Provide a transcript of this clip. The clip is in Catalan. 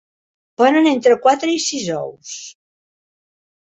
Ponen entre quatre i sis ous.